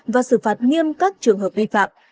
và xử phạt nghiêm các trường hợp vi phạm